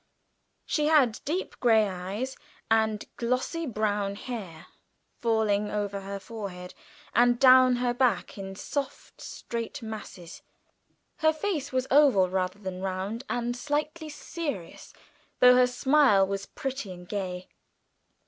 She had deep grey eyes and glossy brown hair falling over her forehead and down her back in soft straight masses, her face was oval rather than round, and slightly serious, though her smile was pretty and gay.